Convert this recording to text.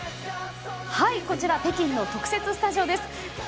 こちら北京の特設スタジオです。